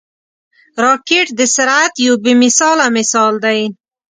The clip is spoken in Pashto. راکټ د سرعت یو بې مثاله مثال دی